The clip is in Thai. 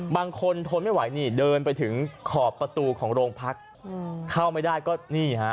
ทนไม่ไหวนี่เดินไปถึงขอบประตูของโรงพักเข้าไม่ได้ก็นี่ฮะ